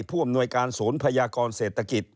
ผู้อำนวยการศูนย์พยากรเศรษฐกิจ